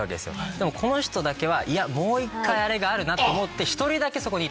でもこの人だけはいやもう一回あれがあるなと思って１人だけそこにいた。